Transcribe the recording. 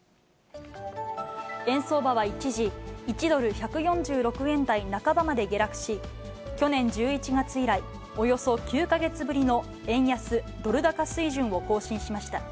円相場は一時、１ドル１４６円台半ばまで下落し、去年１１月以来、およそ９か月ぶりの円安ドル高水準を更新しました。